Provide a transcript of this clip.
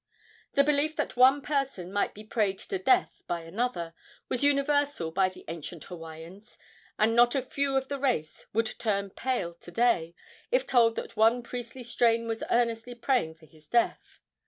The belief that one person might be prayed to death by another was universal with the ancient Hawaiians, and not a few of the race would turn pale to day if told that one of priestly strain was earnestly praying for his death.